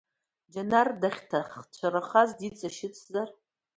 Џьанар дахьҭаацәарахаз диҵашьыцзар?